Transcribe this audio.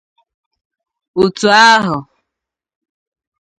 Òtù ahụ